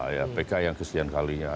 ya pk yang kesekian kalinya